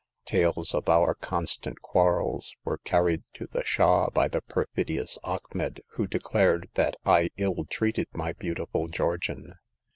Tales of our constant quarrels were carried to the Shah by the perfidious Achmet, who declared that I ill treated my beautiful Georgian.